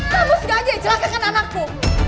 kamu sudah aja yang celaka kan anakku